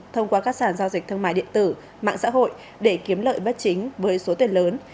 thông qua các sản giao dịch thương mại điện tử mạng xã hội để kiếm lợi bất chính với số tiền lớn